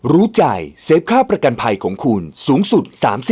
รู้ใจเซฟค่าประกันภัยของคุณสูงสุด๓๐